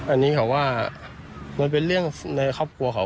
อันนี้เขาว่ามันเป็นเรื่องในครอบครัวเขา